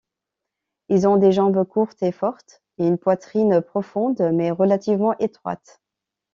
Ils ont des jambes courtes et fortes, et une poitrine profonde mais relativement étroite.